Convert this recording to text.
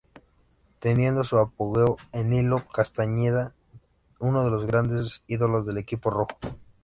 Teniendo su apogeo en Nilo Castañeda, uno de los grandes ídolos del equipo rojo.